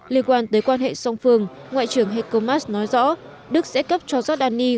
liên quan tới quan hệ song phương ngoại trưởng heiko maas nói rõ đức sẽ cấp cho giọc đan nhi